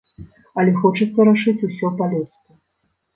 Але хочацца рашыць усё па-людску.